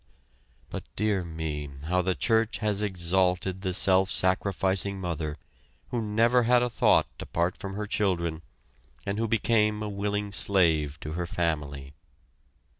But, dear me, how the church has exalted the self sacrificing mother, who never had a thought apart from her children, and who became a willing slave to her family.